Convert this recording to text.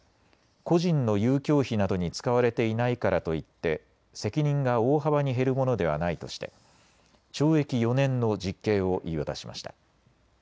個人の遊興費などに使われていないからといって責任が大幅に減るものではないとして懲役４年の実刑を言い渡しました。